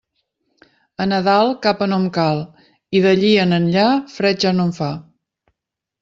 A Nadal, capa no em cal, i d'allí en enllà, fred ja no en fa.